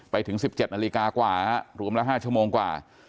ไปถึง๑๗นาฬิกากว่ารวมละ๕ชั่วโมงกว่า